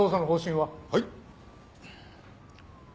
はい。